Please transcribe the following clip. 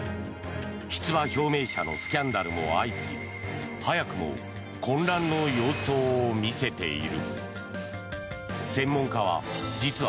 出馬表明者のスキャンダルも相次ぎ早くも混乱の様相を見せている。